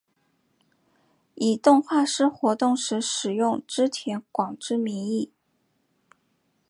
以动画师活动时使用织田广之名义。